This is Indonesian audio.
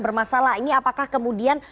bermasalah ini apakah kemudian